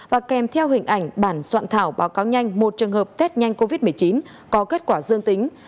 và kèm theo hình ảnh bản soạn thảo báo cáo nhanh một trường hợp test nhanh covid một mươi chín có kết quả dương tính